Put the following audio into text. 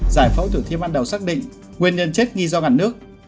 giải phẫu thủ thiên ban đầu xác định nguyên nhân chết nghi do ngàn nước